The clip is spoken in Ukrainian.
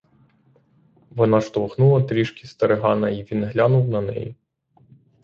Вона штовхнула трішки старигана й він глянув на неї.